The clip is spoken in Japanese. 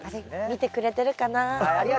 見てくれてるかな。